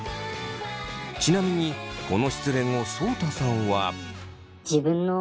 ちなみにこの失恋をそうたさんは。